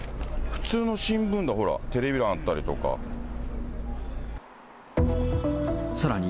普通の新聞だ、ほら、テレビ欄あさらに